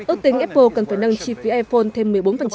ước tính apple cần phải nâng chi phí iphone thêm một mươi bốn